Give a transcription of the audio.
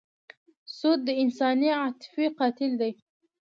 سود د انساني عاطفې قاتل دی.